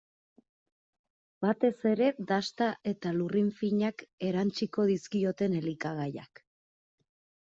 Batez ere dasta eta lurrin finak erantsiko dizkioten elikagaiak.